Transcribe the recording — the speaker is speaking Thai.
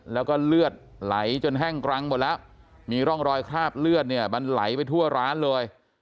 แล้วก็เลือดไหลจนแห้งกรังหมดแล้วมีร่องรอยคราบเลือดเนี่ยมันไหลไปทั่วร้านเลย